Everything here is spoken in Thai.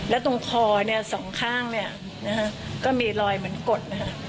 แล้วตรงคอสองข้างก็มีลอยเหมือนกด